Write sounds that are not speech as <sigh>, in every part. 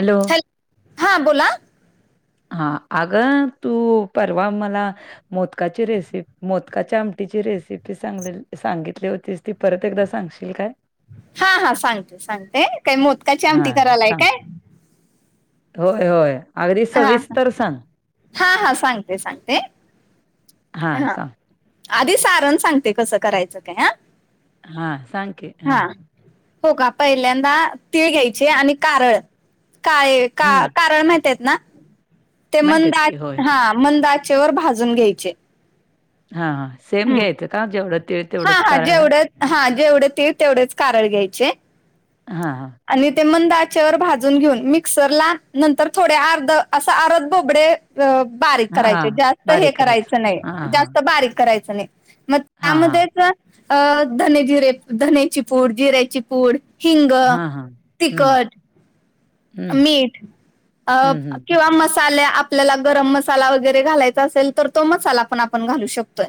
Hello. Hello हा बोला. हा अगं, तू परवा मला मोदकाची रेसिप मोदकाच्या आमटीची रेसिपी स सांगितली होतीस ती परत एकदा सांगशील काय? हा हा सांगते सांगते, काय मोदकाची हा आमटी करायलाय सांग काय? होय होय अगदी हा हा. सविस्तर सांग. हा हा सांगते सांगते हा सांग. आधी सारण सांगते कसं करायचं ते हा. हा सांग कि. हा हो का पहिल्यांदा तीळ घ्यायचे, आणि कारळं. काळे हम्म कारळं माहितयेत ना ते मंद माहितीत आ की होय हां मंद आचेवर भाजून घ्यायचे. हा हा सेम हम्म. घ्यायचं का, जेवढं तीळ हा तेवढंच हा कारळं? जेवढं हा जेवढे तीळ, तेवढेच कारळ घ्यायचे. हां हां आणि ते मंद आचेवर भाजून घेऊन, मिक्सरला नंतर थोडे अर्ध असा आरद बोबडे बारीक हा हा करायचं, जास्त हे बारीक करायचं नाही, हा हा जास्त बारीक करायचं नाही. मग हा हा त्यामध्येच अं धने जिरे, धनेची पूड, जिऱ्याची पूड हिंग, हा हा हम्म तिखट हम्म मीठ हम्म हम्म किंवा मसाले आप आपल्याला गरम मसाला वगैरे घालायचा असेल तर, तो मसाला पण आपण घालू शकतोय.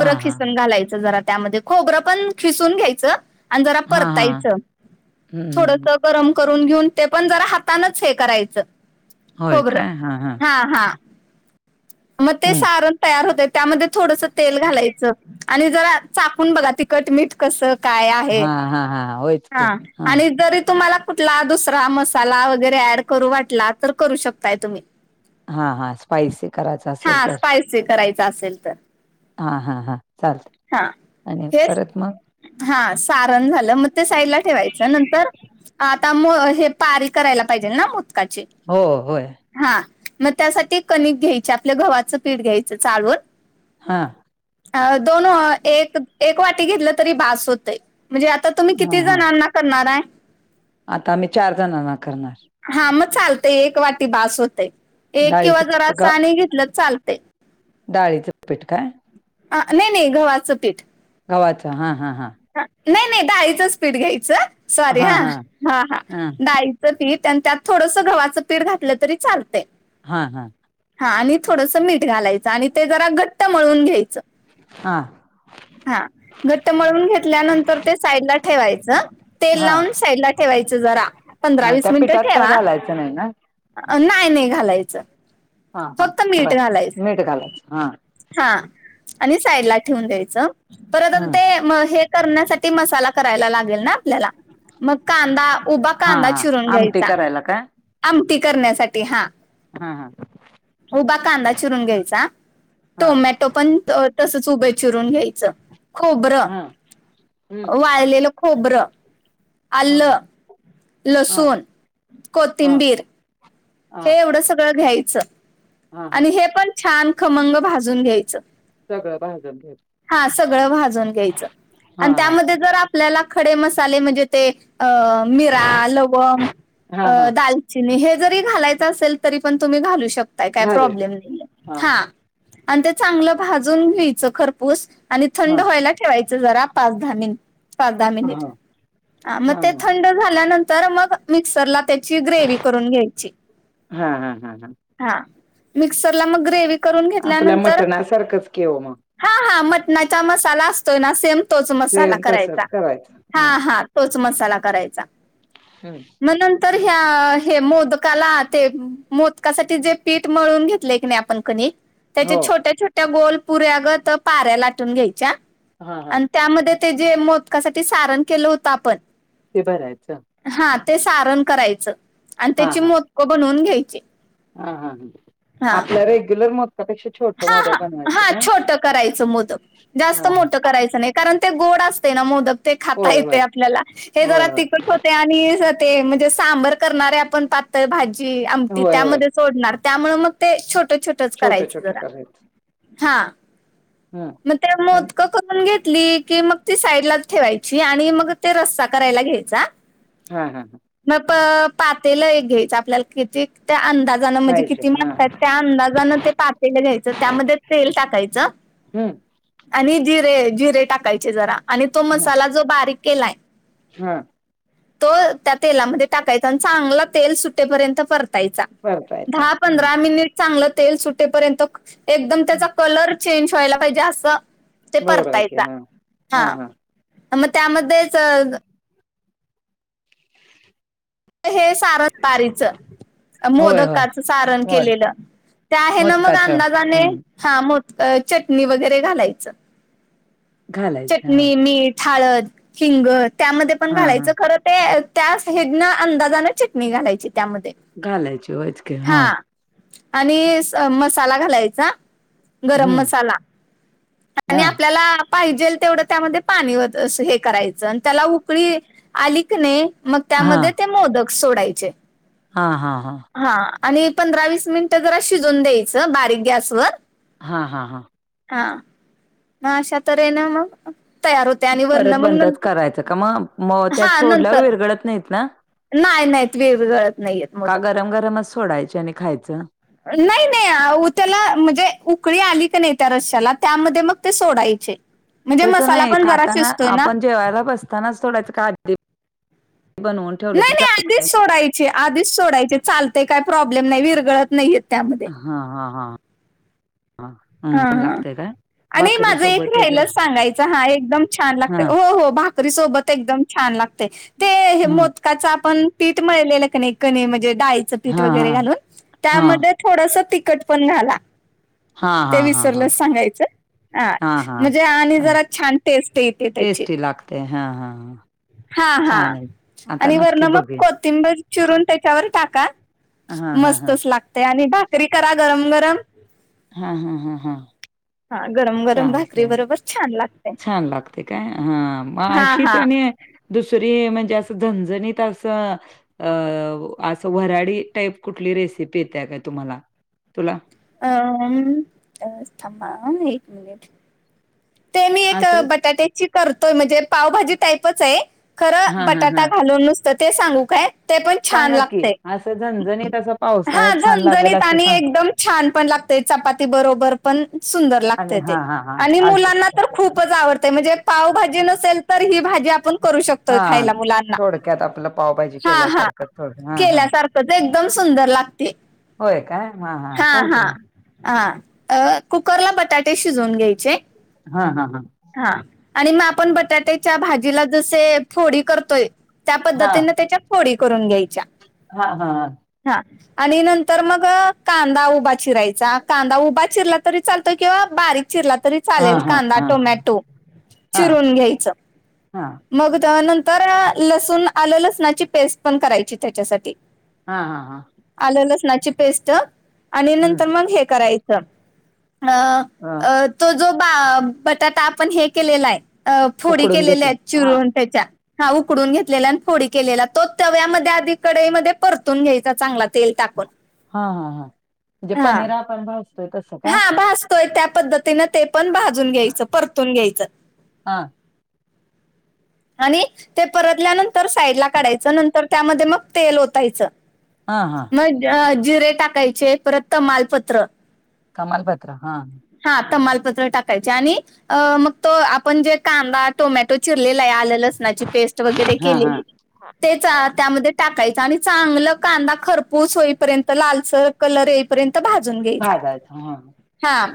हा हा खिसून घालायचं जरा त्यामध्ये, खोबरं पण खिसून घ्यायचं. आणि जरा हा हा परतायचं हम्म हम्म थोडसं गरम करून घेऊन, ते पण जरा हातानच हे करायचं. होय खोबरं, काय हा हा हां हां मं ते हम्म सारण तयार होतंय, त्यामध्ये थोडस तेल घालायचं. आणि जरा चाकून बघा तिखट, मीठ. कसं काय हा आहे, हा हा होयच की हा आणि जरी तुम्हाला कुठला दुस रा मसाला वगैरे ऍड करू वाटला तर, करू शकताय तुम्ही. हा हा स्पायसी करायचा असेल तर. ते करायच असेल तर हा हा हा चालतंय. हा हेच हा सारण झालं मं ते साईड ला ठेवायचं, नंतर आता हे पारी करायला पाहिजे ना मोदकाची? हो होय. हा मं त्यासाठी कणिक घ्यायचे, आपल्या गव्हाचं पीठ घ्यायचं चाळून हां अ दोन एक एक वाटी घेतलं तरी बास होत म्हणजे आ तर तुम्ही हा किती हा जणांना करणार आहे? आता मी चार जणांना करणार. हा मग चालतंय, एक वाटी बास होतंय. एक डाळीच किंवा जरा असं ग आणि घेतलं चालते. डाळीचं पीठ काय? अ नही नही गव्हाचं पीठ. गव्हाचं हा हा हा. नही नही डाळीचंच पीठ घ्यायचं, सॉरी हा हं हा हा डाळी <unintelligible> त्यात थोडस गव्हाचं पीठ घातलं तरी चालतंय. हा हा हा आणि थोडस मीठ घालायचं, आणि ते जरा घट्ट मळून घ्यायचं. हा हा घट्ट मळून घेतल्यानंतर ते साईडला ठेवायचं. तेल हा लावून साईड ला ठेवायचं जरा पंधरा हा वीस त्या मिनिटं पिठात काय ठेवा. घालायचं नाही ना नाही नाही घालायचं हा हा फक्त मीठ बरं घालायचं मीठ घालायचं. हा हा आणि साईडला ठेवून द्यायचं, परत आता हम्म ते हे करण्यासाठी मसाला करायला लागेल ना आपल्याला. मग कांदा, उभा हा कांदा हा चिरून आमटी घ्यायचा. करायला काय आमटी करण्यासाठी हा. हा हा. उभा कांदा चिरून घ्यायचा. हा टोमॅटो पण तसच उभे चिरून घ्यायचं खोबरं हा हम्म वाळलेलं खोबरं. हा आलं, हा लसूण, हा कोथिंबीर, - हे एवढं सगळं घ्यायचं हा हा आणि हे पण छान खमंग भाजून घ्यायचं. सगळं भाजून घ्यायचं <inaudible> हा सगळं भाजून घ्यायच हा आणि हा त्यामध्ये जर आपल्याला खडे मसाले म्हणजे ते मिरा, लवंग, हा हा दाल चिनी हे जरी घालायचं असेल तरी पण तुम्ही घालू शकताय काय प्रॉब्लेम नाही हा. आणि ते चांगलं भाजून घ्यायचं खरपूस आणि हा थंड व्हायला ठेवायचं जरा पाच-दहा मिं पाच-दहा हा मिनिट मग हा ते हा थंड झाल्यानंतर मग मिक्सरला त्याची ग्रेव्ही करून घ्यायची. हा हा हा हा मिक्सरला मग करून आपल्या घेतल्यानंतर मटणासारखंच की ओ. हा हा मटणाचा मसाला असतोय ना सेम तोच मसाला सेम करायचा तसच करायचं हा हम्म हा. तोच मसाला करायचा. हम्. मग नंतर ह्या हे मोदकाला ते मोदकासाठी जे पीठ मळून घेतले क आपण क त्याचे हो छोट्या-छोट्या गोल पुऱ्या गत पाऱ्या लाटून घ्यायच्या हा हा आणि त्यामध्ये ते जे मोदका साठी सारण केलं होत आपण. ते भरायच. हा ते सारण करायचं आणि हा त्याची हा मोदक बनवून घ्यायची. हा हा हा आपल्या रेग्युलर कापेक्षा छोट हा मोदक हा बनवायचं हा का छोटं करायचं मोदक. जास्त हा मोठं ह. करायचं नाही कारण ते गोड असते ना मोदक ते खाता होय होय येते आपल्याला हे जरा होय होय तिकट आणि ते म्हणजे सांबर करणारे आपण पातळ भाजी आमटी होय होय त्यामध्ये सोडणार त्यामुळे मग ते छोट-छोट. छोटे-छोटे करायच. हा म त्या आणि मोदक करून घेतली की मग ती साईडलाच ठेवायची आणि मग ते रस्सा करायला घ्यायचा. हा हा हा. म प-पातेल एक घ्यायच आपल्याला किती त्या अंदाज जाणं म्हणजे पाहिजे किती हा माणसं आहेत त्या अंदाजान पातेलं घ्यायचं. च त्यामध्ये तेल टाकायचं हम्म आणि जिरे जिरे टाकायचे जरा. आणि तो मसाला जो बारीक केलाय हां. तो त्या तेलामध्ये टाकायचा आणि चांगला तेल सुटेपर्यंत परत तायचा परतायचा हम्म दहा-पंधरा मिनिट चांगलं तेल सुटेपर्यंत एकदम त्याचा कलर चेंज व्हायला पाहिजे असा ते बरोबर आहे की परतायचा हा हा हा हां म त्यामध्येच <inaudible> हे सारं तारिच. होय होय मोदकाचं सारण होय केलेलं, ते आहे न मग मोदकाच अंदाजाने हम्म हा मोदक अ चटणी वगैरे घालायचं. घालायचे हा चटणी, मीठ, हळद, हिंग त्यामध्ये पण हा हा घालायचं खरं ते त्याच हेदन अंदाजानं चटणी घालायची त्यामध्ये. घालायची वय च हा आणि स मसाला घालायचा. गरम हम्म मसाला, आणि हा आपल्याला पाहिजेल तेवढं त्यामध्ये पाणी वत अस हे करायचं आणि त्याला उकळी आली क नई मग त्यामध्ये हा ते मोदक सोडायचे. हा हा हा हा आणि पंधरा वीस मिनिटं जरा शिजून द्यायचं बारीक गॅसवर. हा हा हा हा म अशा तरेन मंग परत बंदच करायचं का म, म त्यात हा सोडल्यावर नंतर विरगळत नाहीत ना? नाही नाहीत विरघळत नाहीयेत, का मोदक. गरम गरमच सोडायचे आणि खायचं. नाही नाही उ त्याला म्हणजे उकळी आली का नाही त्या रश्याला त्यामध्ये मग ते सोडायचे. म्हणजे तस मसाला नाही पण जरा खाताना शिजतोय ना. आपण जेवायला बसतानाच सोडायचं का आधी बनवून? ठेवलं नाही तरी नाही आधीच चालतंय सोडायचे आधीच सोडायचे चालतय काय प्रॉब्लेम नाही विरगळत नाही येत त्यामध्ये. हा हा हा हा छान हा. लागतय काय? आणि भाकरी माझं एक सोबत वगैरे राहिलंच सांगायचं हा एकदम छान हा लागते, हो हो भाकरी सोबत एकदम छान लागते ते हे हा मोद त्याचं आपण पीठ मिळलेलं कानी कनी म्हणजे डाळीचं पीठ हा वगैरे हा घालून हा त्यामध्ये थोडसं तिकखट पण घाला. हा ते हा हा हा विसरलंस सांगायचं, हा हां हां. म्हणजे आणि जरा छान टेस्ट येते त्याची. ते हा हा हा हा हा आणि वरन नक्की मग बघेन. कोत थिंबीर चिरून त्याच्यावर टाका हां हां हां. मस्तच लागते आणि भा करी करा गरम गरम. हा हा हा हा हा गरम गरम भाकरी चालतय बरोबर छान लागते छान लागते काय? हा म हा अशीच हा आणि दुसरी म्हणजे असं झणझणीत असं अ असं व्हराडी टाईप कुठली रेसिपी येत्या का तुम्हाला, तुला? अ उम अ थांबा आ एक मिनिट. ते मी एक असंच बटाट्याची करतोय, म्हणजे पावभाजी टाईपच आहे. खरं हां हां बटाटा हां. घालून नुसतं ते सांगू काय? ते पण छान सांगा की. लागते, असं झणझणीत असं हा पावसाळ्यात छान लागेल झणझणीत अशी आणि सांग एकदम छान पण लागते चपाती बरोबर पण सुंदर आणि लागते ते हां हां हां. आणि चालतंय की. मुलांना तर खूपच आवडते, म्हणजे पावभजी नसेल तर ही भाजी आपण करू शकतोय हां. खायला मुलाना, थोडक्यात आपलं पावभाजी हा हा केल्यासारखं थोडं. हां हां. केल्या सार तर ते एकदम सुंदर लागते. होय का हा हा सांग की मग. हा अ कुकरला बटाटे शिजवून घ्यायचे. हां हां हां. हां आणि मग आपण बटाट्याच्या भाजीला जसे फोडी करतोय त्या हा पद्धतीने त्याच्या फोडी करून घ्यायच्या. हां हां हां. हां आणि नंतर मग कांदा उभा चिरायचा कांदा उभा चिरला तरी चालतोय किंवा बारीक चिरला तरी हा चालेल हा कांदा हा हा टोमॅटो चिरून घ्यायचं. हां. मग नंतर लसूण आलं लसणाची पेस्ट पण करायची त्याच्यासाठी. हां हां हां. आलं लसणाची पेस्ट आणि हम्म नंतर मग हे करायचं अ अ तो जो बटाटा आपण हे केलेला आहे फोडी उकडून केलेली घेतला आहेत. हा चिरून त्याच्या हां उकडून घेतलेला आणि फोडी केलेला तो तव्यामध्ये आधी कढईमध्ये परतून घ्यायचा चांगला. तेल टाकून हां हां हां म्हणजे पनीर आपण भाज हां भाजतोय त्या पद्धतीन ते पण भाजून घ्यायचं परतून घ्यायचं. हा <inaudible> आणि ते परतल्यानंतर साईडला काढायचं नंतर त्यामध्ये मग तेल ओतायचं. हां हां. मग जिरे टाकायचे परत तमालपत्र तमालपत्र हां. हां तमालपत्र टाकायचे आणि अ मग तो आपण जे कांदा टोमॅटो चिरलेला आहे आलं लसूण ची पेस्ट वगैरे हा हा केलेली. तेच त्यामध्ये टाकायचं आणि चांगलं कांदा खरपूस होईपर्यंत लालसर कलर येईपर्यंत भाजून घ्यायचा. <unintelligible> हां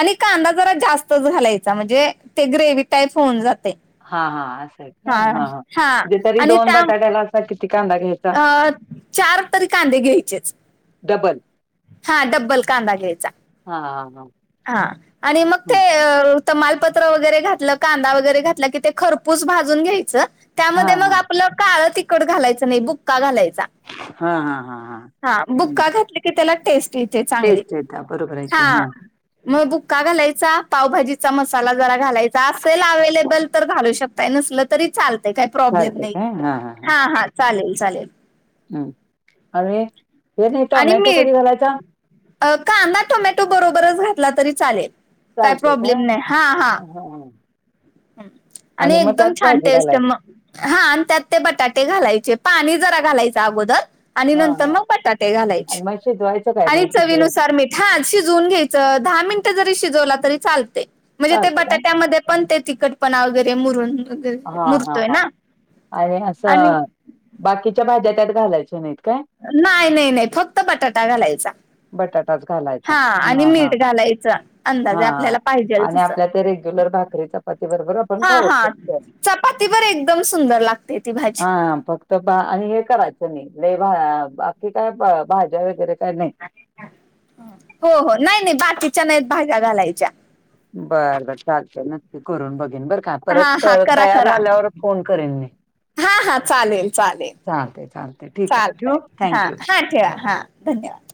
आणि कांदा जरा जास्तच घालायचा म्हणजे ते ग्रेव्ही टाईप होऊन जाते. हां हां असंय का हा हां हां हा म्हणजे तरी आणि दोन त्या बटाट्याला असा किती कांदा घ्या अ चार तरी कांदे घ्यायचेच. डबल. हां डब्बल कांदा घ्यायचा. हां हां हां हां. हां आणि मग ते तमालपत्र वगैरे घातलं कांदा वगैरे घातला की ते खरपूस भाजून घ्यायच हा त्यामध्ये मग आप हा आपलं काळं तिखट घालायच नाही बुक्का घालायचा, हा हा हा हा हां बुक्का घातलं की त्याला टेस्ट येते चांगली टेस्ट येत बरोबर आहे की हां. हा मग बुक्का घालायचा, पावभाजीचा मसाला जरा घालायचा असेल अवेलेबल तर घालू शकत काय नसलं तरी चालतंय काही प्रॉब्लेम चालते नाही काय हा हा हा हां हां चालेल चालेल. हम्म अरे हे नाही आणि टॉमॅटो मीठ कधी घालायचा? कांदा, टोमॅटो बरोबरच घातला तरी चालेल काही प्रॉब्लेम नाही हां हां. हम्म हम्म. आणि एकदम छान भाजी टेस्ट घालाय मग हां आणि त्यात ते बटाटे घालायचे पाणी जरा घालायच अगोदर. आणि हा नंतर हा मग बटाटे घालायचे, आणि मग शिजवायचं काय आणि नाही किती वेळ चवीनुसार मी हां शिजवून घ्यायचं दहा मिनिटं जरी शिजवला तरी चालतय म्हणजे ते चालतं काय बटाट्यामध्ये पण ते तिखटपणा वगैरे मुरून हा हा मुरतोय हा ना. आणि असं बाकीच्या भाज्या त्यात घालायच्या नाहीत काय, नाही नाही नाही, फक्त बटाटा घालायचा बटाटाच घालायचा हा आणि ह ह मीठ घालायचं हा अंदाजे आपल्याला पाहिजेल आणि तसं. आपल्या ते रेग्युलर भाकरी चपाती बरोबर आपण खाऊ शकतोय चपातीबर एकदम सुंदर लागतं हा हा फ तर बा आणि हे करायचं नाही, लई बा बाकी काय भाज्या वगैरे काय नाही हो हो नाही नाही बाकीच्या नाही भाज्या घालायच्या बरं बर चालतंय नक्की करून बघेन बरं का हा परत हा करा तयार करा. झाल्यावर फोन करेन मी, हा हा चालेल चालेल चालतय चालतय ठीक आहे ठेवू चालतंय हा थँक्यू हा ठेवा हा धन्यवाद